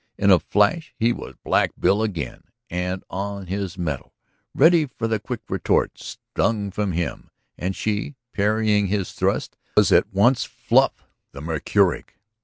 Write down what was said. In a flash he was Black Bill again and on his mettle, ready with the quick retort stung from him; and she, parrying his thrust, was at once Fluff, the mercuric.